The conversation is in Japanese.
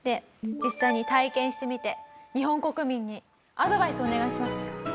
実際に体験してみて日本国民にアドバイスをお願いします。